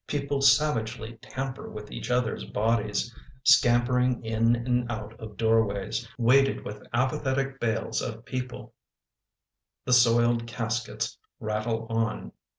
People savagely tamper With each other's bodies, Scampering in and out of doorways. Weighted with apathetic bales of people The soiled caskets rattle on.